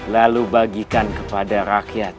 lalu bagikan kepada rakyat